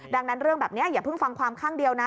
ดังนั้นเรื่องแบบนี้อย่าเพิ่งฟังความข้างเดียวนะ